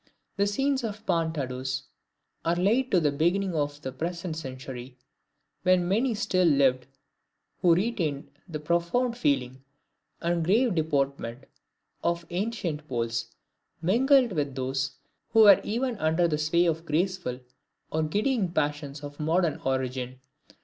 The scenes of "Pan Tadeusz" are laid at the beginning of the present century, when many still lived who retained the profound feeling and grave deportment of the ancient Poles, mingled with those who were even then under the sway of the graceful or giddying passions of modern origin.